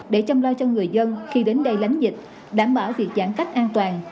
để chăm lo cho người dân khi đến đây lánh dịch đảm bảo việc giãn cách an toàn